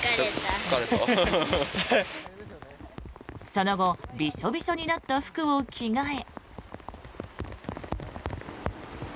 その後、ビショビショになった服を着替え。